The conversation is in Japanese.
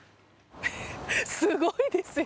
すごいですよ。